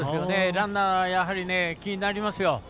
ランナー、やはり気になりますよ。